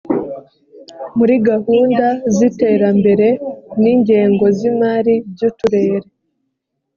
muri gahunda z iterambere n ingengo z imari by uturere